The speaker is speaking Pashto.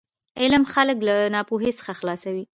علم خلک له ناپوهي څخه خلاصوي.